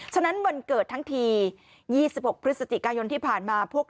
ฉะนั้นวันเกิดทั้งที๒๖พฤศจิกายนที่ผ่านมาพวก